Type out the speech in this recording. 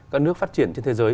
các nước phát triển trên thế giới